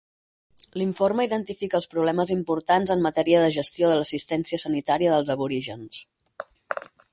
L'informe identifica els problemes importants en matèria de gestió de l'assistència sanitària dels aborígens.